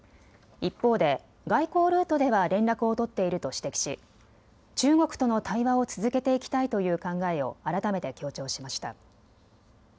一方で外交ルートでは連絡を取っていると指摘し中国との対話を続けていきたいという考えを改めて強調しました。